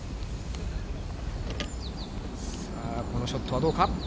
さあ、このショットはどうか？